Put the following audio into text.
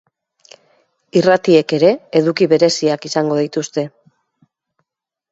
Irratiek ere, eduki bereziak izango dituzte.